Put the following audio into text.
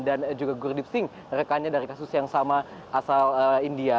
dan juga gurdeep singh rekannya dari kasus yang sama asal india